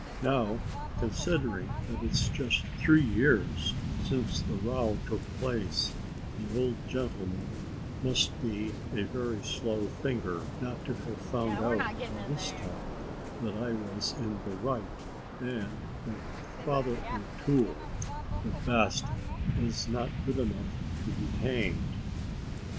Now considering that it's just three years since the row took place, the old gentleman must be a very slow thinker, not to have found out by this time that I was in the right, and that Father O'Toole, the baste, is not good enough to be hanged.